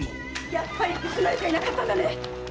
やっぱり盗まれちゃいなかったんだね！